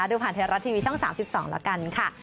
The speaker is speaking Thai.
ดูผ่านไทยรัฐทีวีช่อง๓๒แล้วกันค่ะ